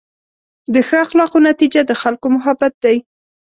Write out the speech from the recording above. د ښه اخلاقو نتیجه د خلکو محبت دی.